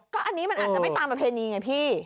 ก็อันนี้มันอาจจะไม่ตามประเพณีไงพี่